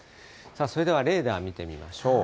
さあそれではレーダー見てみましょう。